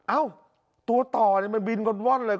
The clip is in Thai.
เอ้าตัวต่อเนี่ยมันบินก่อนบ้อนเลย